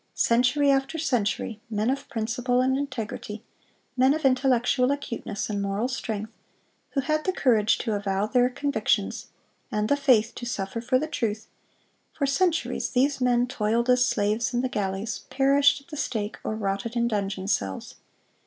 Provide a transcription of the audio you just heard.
Century after century, men of principle and integrity, men of intellectual acuteness and moral strength, who had the courage to avow their convictions, and the faith to suffer for the truth,—for centuries these men toiled as slaves in the galleys, perished at the stake, or rotted in dungeon cells.